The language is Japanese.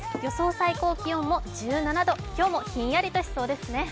最高気温も１７度今日もひんやりとしそうですね。